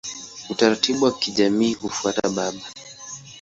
Utaratibu wa kijamii hufuata baba.